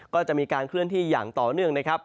ก็จะมีการเคลื่อนที่อย่างต่อเนื่องนะครับ